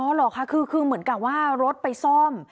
เหรอคะคือเหมือนกับว่ารถไปซ่อม